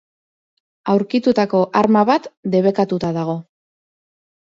Aurkitutako arma bat debekatuta dago.